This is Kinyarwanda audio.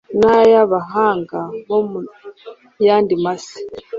n'ay'abahanga bo mu yandi masi.